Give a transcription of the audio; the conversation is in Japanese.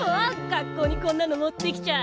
学校にこんなの持ってきちゃ。